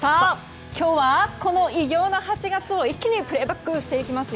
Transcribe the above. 今日は、この偉業の８月を一気にプレーバックしていきます。